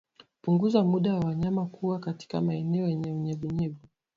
Punguza muda wa wanyama kuwa katika maeneo yenye unyevunyevu